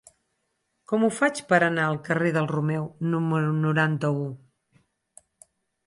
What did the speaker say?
Com ho faig per anar al carrer del Romeu número noranta-u?